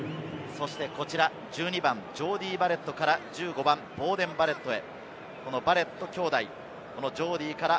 こちら１２番ジョーディー・バレットから、１５番ボーデン・バレットへ。